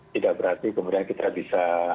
tidak berarti kemudian kita bisa